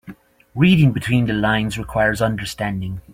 Reading between the lines requires understanding.